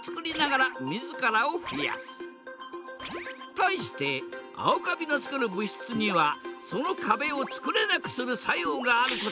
対してアオカビのつくる物質にはその壁をつくれなくする作用があることが分かったのだ！